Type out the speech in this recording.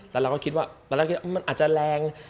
แล้วเราก็คิดว่ามันอาจจะแรง